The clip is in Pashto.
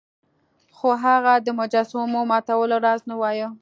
خو هغه د مجسمو ماتولو راز نه وایه.